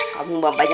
kamu banyak alasan aja